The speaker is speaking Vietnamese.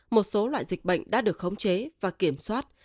một số loại dịch bệnh đã được khống chế và kiểm soát